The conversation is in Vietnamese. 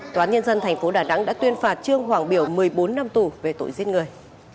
tòa nhân dân tp đà nẵng đã tuyên phạt trương hoàng biểu một mươi bốn năm tù về tội giết người